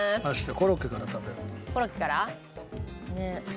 コロッケから？